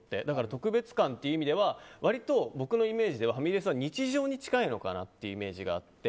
特別感という意味では割と、僕のイメージではファミレスは日常に近いのかなというイメージがあって。